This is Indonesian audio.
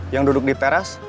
yang duduk di teras